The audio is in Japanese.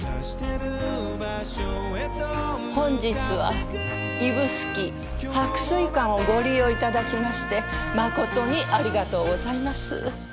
本日は指宿白水館をご利用頂きまして誠にありがとうございます。